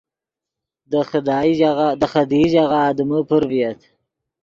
دے خدیئی ژاغہ آدمے پر ڤییت